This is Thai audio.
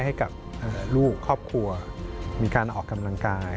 ให้กับลูกครอบครัวมีการออกกำลังกาย